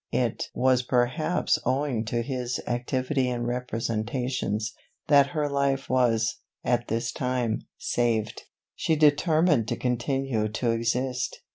It was perhaps owing to his activity and representations, that her life was, at this time, saved. She determined to continue to exist.